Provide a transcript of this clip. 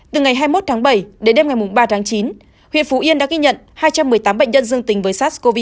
từ ngày hai mươi một tháng bảy đến đêm ngày ba tháng chín huyện phú yên đã ghi nhận hai trăm một mươi tám bệnh nhân dương tính với sars cov hai